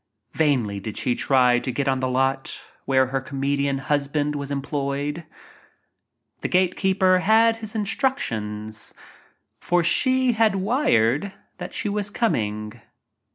Vainly did she try to get on "lot" where her comedian husband was em ployed. The gate keeper had his instructions — for she had wired that she was coming.